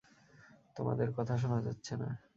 তোমাদের কথা শোনা যাচ্ছে না!